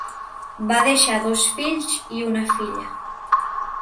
Va deixar dos fills i una filla.